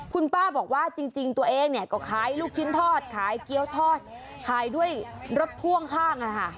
คุณป้าบอกว่าจริงตัวเองเนี่ยก็ขายลูกชิ้นทอดขายเกี้ยวทอดขายด้วยรถพ่วงข้าง